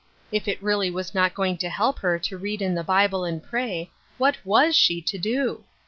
If it really was not going to help her to read in the Bible and pray, what was she to do